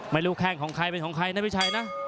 ไม่รู้แค่ของใครเป็นของใครนะพี่ชัยนะ